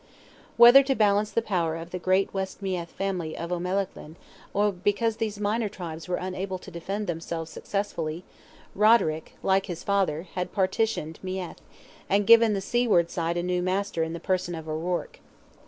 Whether to balance the power of the great West Meath family of O'Melaghlin, or because these minor tribes were unable to defend themselves successfully, Roderick, like his father, had partitioned Meath, and given the seaward side a new master in the person of O'Ruarc.